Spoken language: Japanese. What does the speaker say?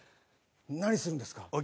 何するんですか？